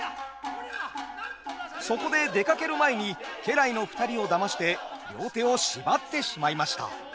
そこで出かける前に家来の２人をだまして両手を縛ってしまいました。